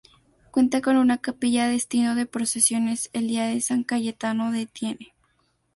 Cuenta con una capilla destino de procesiones el día de San Cayetano de Thiene.